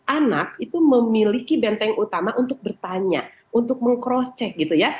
anak itu memiliki benteng utama untuk bertanya untuk meng cross check gitu ya